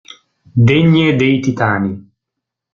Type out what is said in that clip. Degne dei Titani.